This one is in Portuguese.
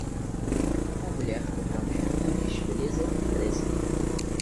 Com uma mulher procuramos virtudes, beleza e beleza.